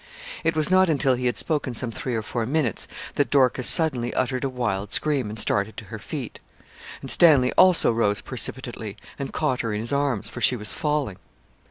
It was not until he had spoken some three or four minutes that Dorcas suddenly uttered a wild scream, and started to her feet. And Stanley also rose precipitately, and caught her in his arms, for she was falling.